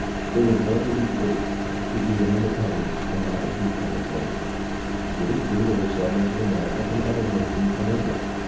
They were born to be free, to be an inde pendent and not a dependent nation. It is true there were settlers in America from other nations than England.